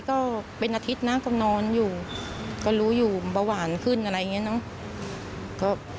ก็เป็นอาทิตย์นะก็นอนอยู่ก็รู้อยู่เบาหวานขึ้นอะไรอย่างนี้เนอะ